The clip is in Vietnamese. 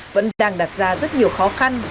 vẫn đang đặt ra rất nhiều khó khăn